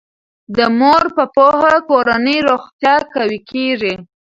د مور په پوهه کورنی روغتیا قوي کیږي.